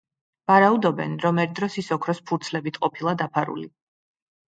ვარაუდობენ, რომ ერთ დროს ის ოქროს ფურცლებით ყოფილა დაფარული.